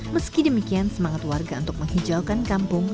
meski demikian semangat warga untuk menghijaukan kampung